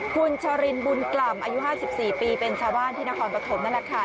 คุณชรินบุญกล่ำอายุ๕๔ปีเป็นชาวบ้านที่นครปฐมนั่นแหละค่ะ